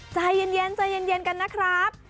ใจเย็นกันนะครับ